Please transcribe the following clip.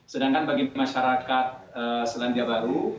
sedangkan bagi masyarakat selandia baru